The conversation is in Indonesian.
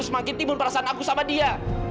semakin timbul perasaan aku sama dia